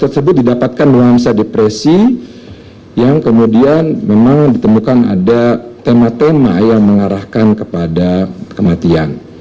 tersebut didapatkan nuansa depresi yang kemudian memang ditemukan ada tema tema yang mengarahkan kepada kematian